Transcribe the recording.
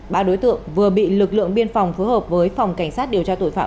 ba đối tượng vừa bị lực lượng biên phòng phối hợp với phòng cảnh sát điều tra tội phạm